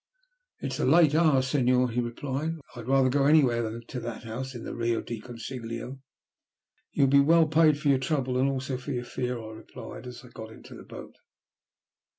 "It's a late hour, Senor," he replied, "and I'd rather go anywhere than to that house in the Rio del Consiglio." "You will be well paid for your trouble and also for your fear," I replied as I got into the boat.